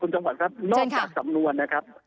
จังหวัดครับนอกจากสำนวนนะครับ